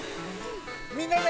みんなで！